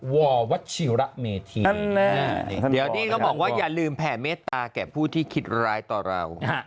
ววัชิระเมธีเดี๋ยวนี้เขาบอกว่าอย่าลืมแผ่เมตตาแก่ผู้ที่คิดร้ายต่อเรา